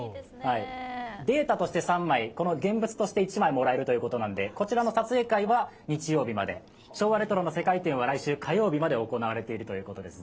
データとして３枚現物として１枚もらえるということなのでこちらの撮影会は日曜日まで、昭和レトロな世界展は来週火曜日まで行われているということです。